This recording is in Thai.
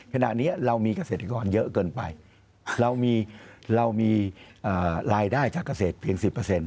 ขณะนี้เรามีเกษตรกรเยอะเกินไปเรามีรายได้จากเกษตรเพียง๑๐